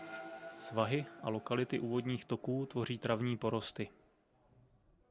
Svahy a lokality u vodních toků tvoří travní porosty.